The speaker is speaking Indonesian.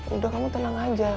udah kamu tenang aja